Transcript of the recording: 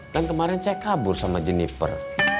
kan kemarin saya kabur sama jenniper